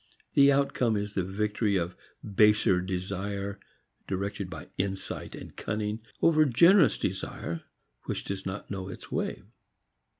The outcome is the victory of baser desire directed by insight and cunning over generous desire which does not know its way.